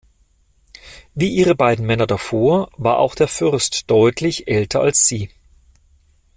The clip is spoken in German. Wie ihre beiden Männer davor war auch der Fürst deutlich älter als sie.